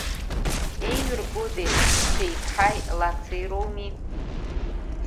Еиҩыргозеи, Цәеиԥҳаи, лацеи роуми…